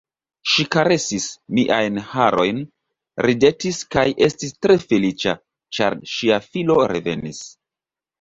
Ŝi karesis miajn harojn, ridetis kaj estis tre feliĉa, ĉar ŝia filo revenis.